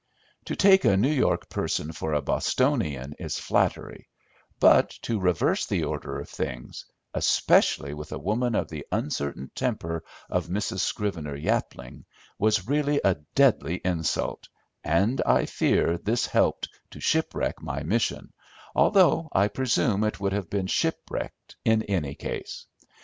To take a New York person for a Bostonian is flattery, but to reverse the order of things, especially with a woman of the uncertain temper of Mrs. Scrivener Yapling, was really a deadly insult, and I fear this helped to shipwreck my mission, although I presume it would have been shipwrecked in any case.